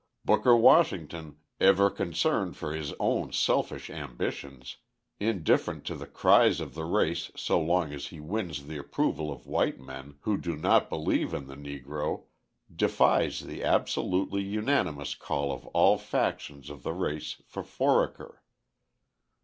Booker Washington, ever concerned for his own selfish ambitions, indifferent to the cries of the race so long as he wins the approval of white men who do not believe in the Negro, defies the absolutely unanimous call of all factions of the race for Foraker.